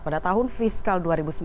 pada tahun fiskal dua ribu sembilan belas